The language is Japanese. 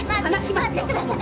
待ってください。